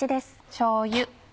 しょうゆ。